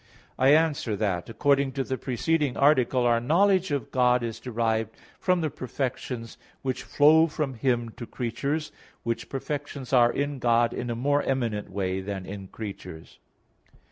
I answer that, According to the preceding article, our knowledge of God is derived from the perfections which flow from Him to creatures, which perfections are in God in a more eminent way than in creatures.